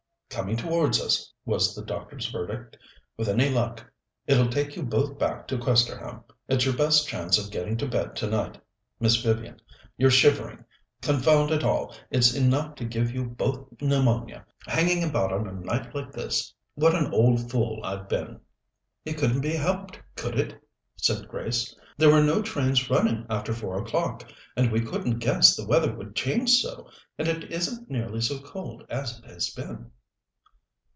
"Coming towards us," was the doctor's verdict. "With any luck it'll take you both back to Questerham. It's your best chance of getting to bed tonight. Miss Vivian, you're shivering. Confound it all, it's enough to give you both pneumonia, hanging about on a night like this! What an old fool I've been!" "It couldn't be helped, could it?" said Grace. "There were no trains running after four o'clock, and we couldn't guess the weather would change so. And it isn't nearly so cold as it has been."